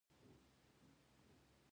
افغانستان وطن مې ډیر زیات ښکلی دی.